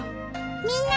みんな！